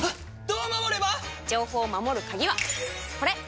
どう守れば⁉情報を守る鍵はこれ！